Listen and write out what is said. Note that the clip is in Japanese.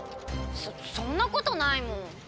そそんなことないもん。